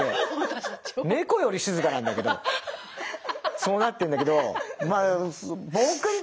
そうなってんだけど。